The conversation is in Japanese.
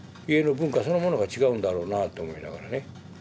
家の文化そのものが違うんだろうなあと思いながらね。